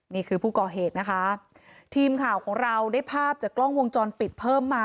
นี่คือผู้ก่อเหตุนะคะทีมข่าวของเราได้ภาพจากกล้องวงจรปิดเพิ่มมา